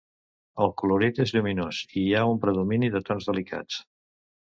El colorit és lluminós i hi ha un predomini de tons delicats.